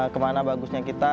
kemana bagusnya kita